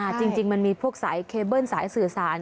จริงมันมีพวกสายเคเบิ้ลสายสื่อสาร